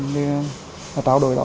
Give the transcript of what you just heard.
để trao đổi đó